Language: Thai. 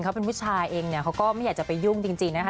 เขาเป็นผู้ชายเองเนี่ยเขาก็ไม่อยากจะไปยุ่งจริงนะคะ